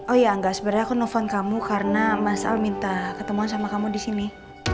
oh iya angga sebenernya aku nelfon kamu karena mas al minta ketemuan sama kamu disini